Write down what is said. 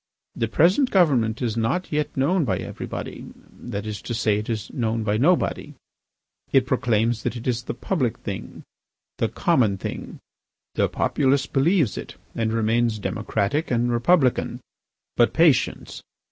The present government is not yet known by everybody, that is to say, it is known by nobody. It proclaims that it is the Public Thing, the common thing. The populace believes it and remains democratic and Republican. But patience!